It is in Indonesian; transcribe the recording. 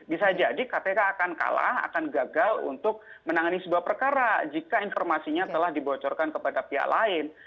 bisa jadi kpk akan kalah akan gagal untuk menangani sebuah perkara jika informasinya telah dibocorkan kepada pihak lain